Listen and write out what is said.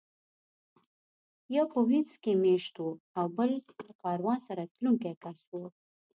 یو په وینز کې مېشت و او بل له کاروان سره تلونکی کس و